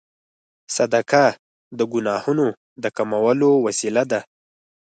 صدقه د ګناهونو د کمولو وسیله ده.